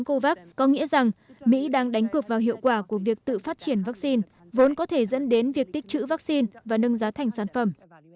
covax có nghĩa rằng mỹ đang đánh cực vào hiệu quả của việc tự phát triển vaccine vốn có thể dẫn đến việc tích trữ vaccine và nâng giá thành sản phẩm